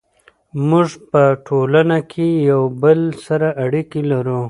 موږ په ټولنه کې یو بل سره اړیکې لرو.